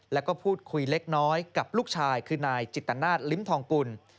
แล้วก็พูดคุยเล็กน้อยกับลูกชายคือนายจิตนาศลิ้มทองกุล